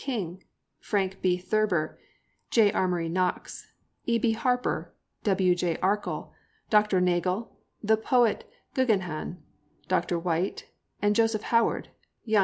King, Frank B. Thurber, J. Amory Knox, E.B. Harper, W.J. Arkell, Dr. Nagle, the poet Geogheghan, Doc White, and Joseph Howard, jun.